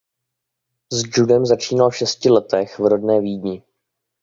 S judem začínal v šesti letech v rodné Vídni.